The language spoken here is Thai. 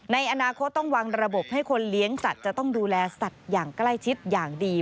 ในอนาคตต้องวางระบบให้คนเลี้ยงสัตว์จะต้องดูแลสัตว์อย่างใกล้ชิดอย่างดี